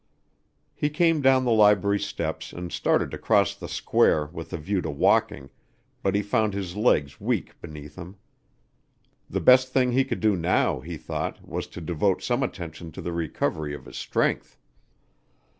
He came down the library steps and started to cross the square with a view to walking, but he found his legs weak beneath him. The best thing he could do now, he thought, was to devote some attention to the recovery of his strength.